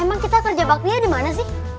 emang kita kerja baktinya di mana sih